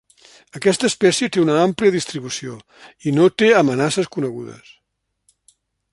Aquesta espècie té una àmplia distribució, i no té amenaces conegudes.